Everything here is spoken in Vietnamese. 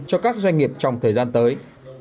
cho các doanh nghiệp trong thời gian tới